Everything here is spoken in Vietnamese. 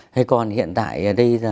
hay còn hiện tại ở đây